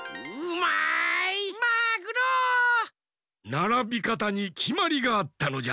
ならびかたにきまりがあったのじゃ。